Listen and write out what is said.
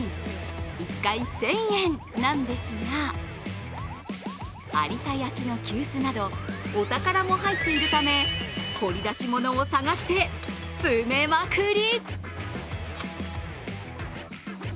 １回１０００円なんですが有田焼の急須などお宝も入っているため掘り出しものを探して詰めまくり。